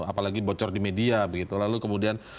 apalagi bocor di media begitu lalu kemudian